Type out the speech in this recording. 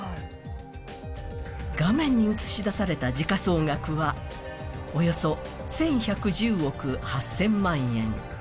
画面に映し出された時価総額はおよそ１１１０億８０００万円。